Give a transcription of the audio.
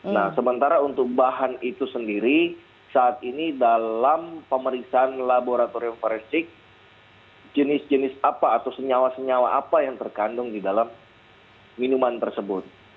nah sementara untuk bahan itu sendiri saat ini dalam pemeriksaan laboratorium forensik jenis jenis apa atau senyawa senyawa apa yang terkandung di dalam minuman tersebut